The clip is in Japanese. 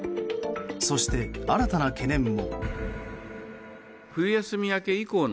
そして、新たな懸念も。